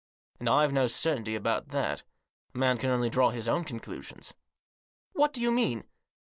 And I've no certainty about that. A man can only draw his own conclusions." " What do you mean